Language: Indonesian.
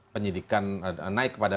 penyidikan naik kepada